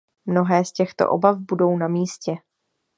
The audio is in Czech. Mnohé z těchto obav budou na místě.